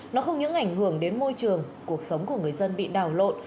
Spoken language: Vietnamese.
nó không những ảnh hưởng đến môi trường cuộc sống của người dân bị đảo lộn